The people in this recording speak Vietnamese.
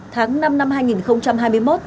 tháng năm năm hai nghìn hai mươi một